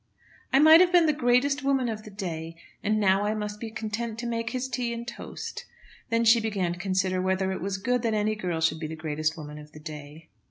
"I might have been the greatest woman of the day, and now I must be content to make his tea and toast." Then she began to consider whether it was good that any girl should be the greatest woman of the day.